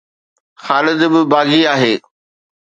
خالد به باغي آهي